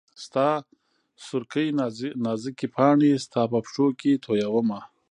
ستا سورکۍ نازکي پاڼي ستا په پښو کي تویومه